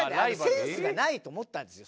センスがないと思ったんですよ。